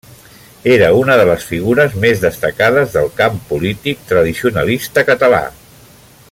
Era una de les figures més destacades del camp polític tradicionalista català.